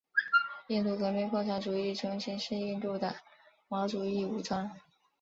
印度革命共产主义中心是印度的毛主义武装。